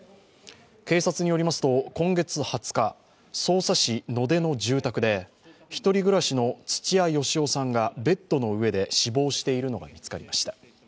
警察によりますと今月２０日、匝瑳市野手の住宅で１人暮らしの土屋好夫さんがベッドの上で死亡しているのが見つかりました。